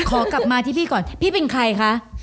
ขอกลับมาที่พี่ก่อนพี่เป็นใครคะ